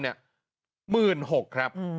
๑๖๐๐๐บาทครับ